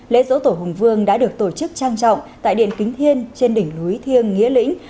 lễ dỗ tổ hùng vương đã được tổ chức trang trọng tại điện kính thiên trên đỉnh núi thiên nghĩa lĩnh